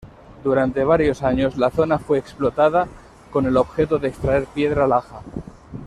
Durante varios años la zona fue explotada con el objeto de extraer piedra laja.